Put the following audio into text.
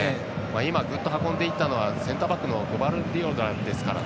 今、ぐっと運んでいったのはセンターバックのグバルディオルですからね。